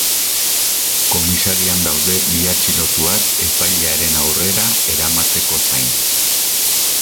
Komisarian daude bi atxilotuak, epailearen aurrera eramateko zain.